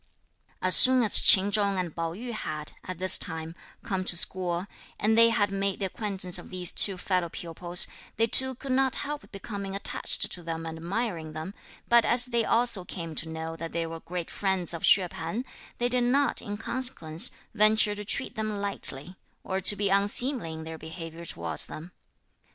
As soon as Ch'in Chung and Pao yü had, at this time, come to school, and they had made the acquaintance of these two fellow pupils, they too could not help becoming attached to them and admiring them, but as they also came to know that they were great friends of Hsüeh P'an, they did not, in consequence, venture to treat them lightly, or to be unseemly in their behaviour towards them.